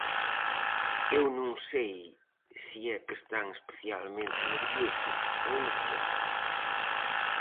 Eu non sei se é que están especialmente nerviosos ou nerviosas.